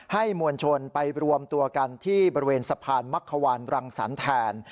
มวลชนไปรวมตัวกันที่บริเวณสะพานมักขวานรังสรรค์แทน